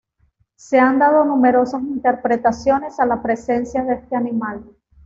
Se han dado numerosas interpretaciones a la presencia de este animal.